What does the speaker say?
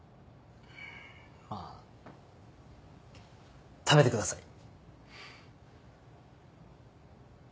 まあ食べてください。